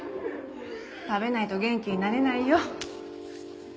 食べないと元気になれないよ